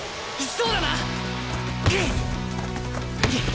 そうだな！？